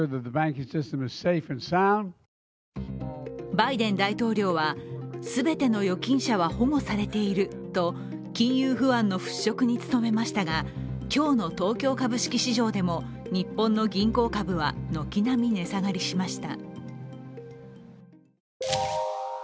バイデン大統領は全ての預金者は保護されていると金融不安の払拭に努めましたが今日の東京株式市場でも日本の銀行株は軒並み値下がりしました。